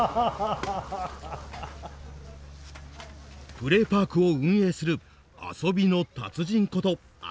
プレーパークを運営する遊びの達人こと浅野純一さん。